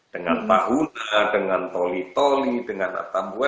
dengan pahuna dengan toli toli dengan atta mua